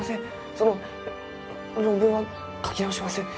その論文は書き直します。